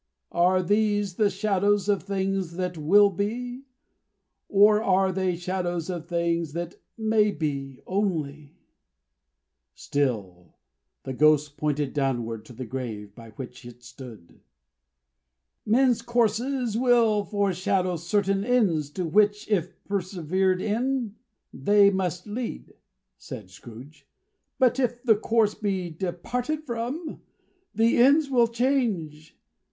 Are these the shadows of the things that will be, or are they shadows of the things that may be, only?" Still the Ghost pointed downward to the grave by which it stood. "Men's courses will foreshadow certain ends, to which, if persevered in, they must lead," said Scrooge, "But if the courses be departed from, the ends will change.